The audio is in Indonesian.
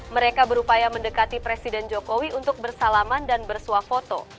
mereka berupaya mendekati presiden jokowi untuk bersalaman dan bersuah foto